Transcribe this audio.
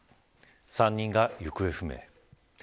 ３人が行方不明。